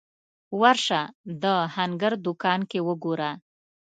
ورشه د هنګر دوکان کې وګوره